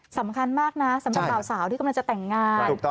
สำคัญมากนะสำหรับบ่าวสาวที่กำลังจะแต่งงาน